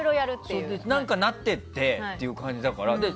なってってという感じだから。